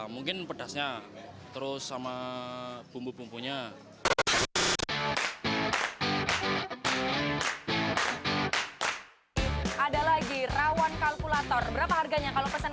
mungkin pedasnya terus sama bumbu bumbunya ada lagi rawon kalkulator berapa harganya kalau pesan